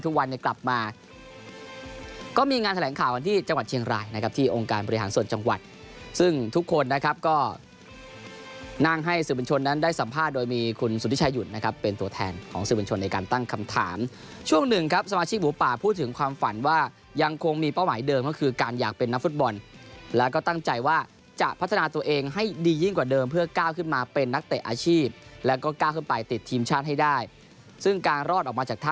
ทุกวันกลับมาก็มีงานแถลงข่าวที่จังหวัดเชียงรายนะครับที่องค์การบริหารส่วนจังหวัดซึ่งทุกคนนะครับก็นั่งให้สื่อบัญชนนั้นได้สัมภาษณ์โดยมีคุณสุธิชายุ่นนะครับเป็นตัวแทนของสื่อบัญชนในการตั้งคำถามช่วงหนึ่งครับสมาชิกหูป่าพูดถึงความฝันว่ายังคงมีเป้าหมายเดิมก็คือการอย